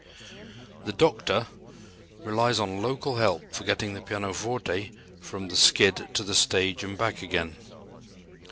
The "doctor" relies on local help for getting the pianoforte from the skid to the stage and back again.